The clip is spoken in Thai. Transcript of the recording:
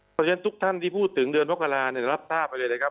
เพราะฉะนั้นทุกท่านที่พูดถึงเดือนมกรารับทราบไปเลยนะครับ